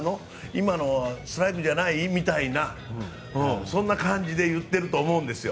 今のストライクじゃない？みたいなそんな感じで言っていると思うんです。